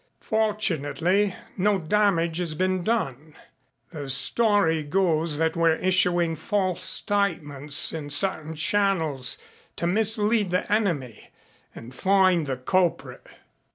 Fortunately no damage has been done. The story goes that we're issuing false statements in certain channels to mislead the enemy and find the culprit."